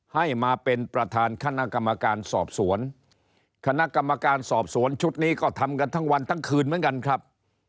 ให้มาเป็นประธานคณะกรรมการสอบสวนคณะกรรมการสอบสวนชุดนี้ก็ทำกันทั้งวันทั้งคืนเหมือนกันครับ